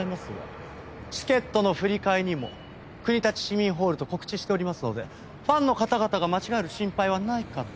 チケットの振り替えにも「国立市民ホール」と告知しておりますのでファンの方々が間違える心配はないかと。